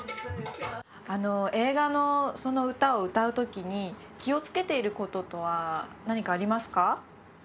映画のその歌を歌うときに気をつけていることとは何かありますか？